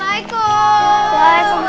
papi tuntut dia